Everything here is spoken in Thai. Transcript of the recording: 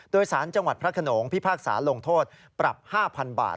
โดยสารจังหวัดพระขนงพิพากษาลงโทษปรับ๕๐๐๐บาท